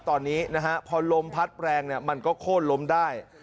ตอนนี้นะฮะพอลมพัดแรงมันก็โค้นล้มได้